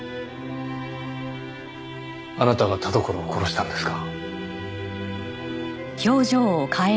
あなたが田所を殺したんですか？